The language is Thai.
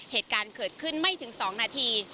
เหตุการณ์เกิดขึ้นไม่ถึง๒นาที